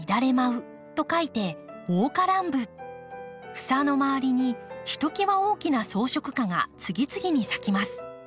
房の周りにひときわ大きな装飾花が次々に咲きます。